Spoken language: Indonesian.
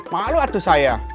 malu atu saya